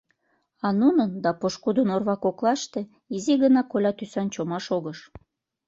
А нунын да пошкудын орва коклаште изи гына коля тӱсан чома шогыш.